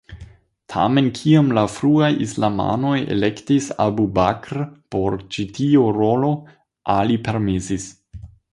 Tamen kiam la fruaj islamanoj elektis Abu Bakr por ĉi tio rolo, Ali permesis.